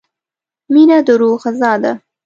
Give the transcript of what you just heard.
مینه د روح غذا ده.